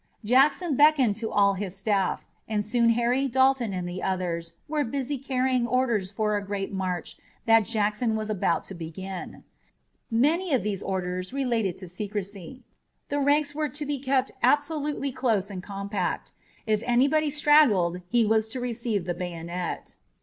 Jackson beckoned to all his staff, and soon Harry, Dalton and the others were busy carrying orders for a great march that Jackson was about to begin. Many of these orders related to secrecy. The ranks were to be kept absolutely close and compact. If anybody straggled he was to receive the bayonet.